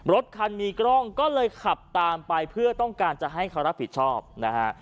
รถคันมีกล้องก็เลยขับตามไปเพื่อต้องการจะให้เขารับผิดชอบนะฮะ